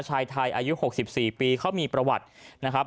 ชายไทยอายุ๖๔ปีเขามีประวัตินะครับ